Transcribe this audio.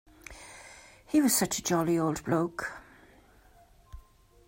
He was such a jolly old bloke.